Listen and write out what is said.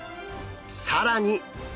更に！